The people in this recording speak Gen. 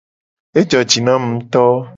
Ejo ji na mu nguto.